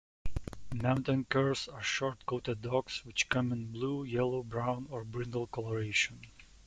Mountain Curs are short-coated dogs which come in blue, yellow, brown, or brindle coloration.